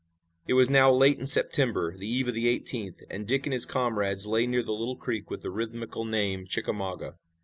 It was now late in September, the eve of the eighteenth, and Dick and his comrades lay near the little creek with the rhythmical name, Chickamauga.